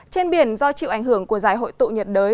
trên biển do chịu ảnh hưởng của giải hội tụ nhiệt đới